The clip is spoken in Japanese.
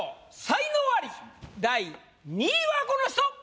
才能アリ第２位はこの人！